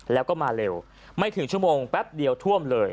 แล้วก็มาเร็วไม่ถึงชั่วโมงแป๊บเดียวท่วมเลย